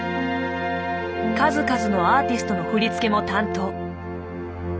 数々のアーティストの振り付けも担当。